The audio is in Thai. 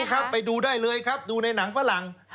ครับไปดูได้เลยครับดูในหนังฝรั่ง